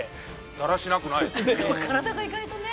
だらしなくないですね。